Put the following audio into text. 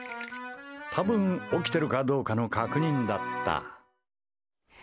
多分、起きてるかどうかの確認だった。